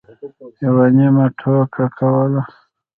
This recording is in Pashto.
یوه نیمه ټوکه کوله.